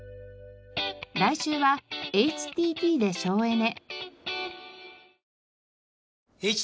来週はＨＴＴで省エネ。